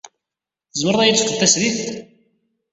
Tzemred ad iyi-d-tefked tasdidt?